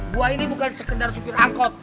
buah ini bukan sekedar supir angkot